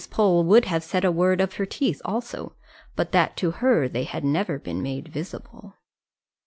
Pole would have said a word of her teeth also, but that to her they had never been made visible.